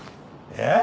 えっ！？